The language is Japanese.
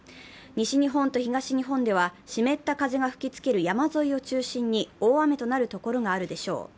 西日本と東日本では湿った風が吹きつける山沿いを中心に大雨となる所があるでしょう。